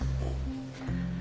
うん。